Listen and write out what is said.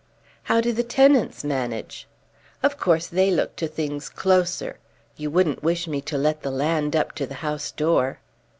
"How do the tenants manage?" "Of course they look to things closer. You wouldn't wish me to let the land up to the house door."